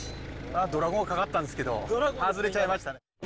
ドラゴンがかかったんですけどはずれちゃいましたね。